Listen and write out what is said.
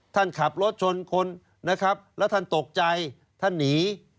ท่านขับรถชนคนนะครับแล้วท่านตกใจท่านหนี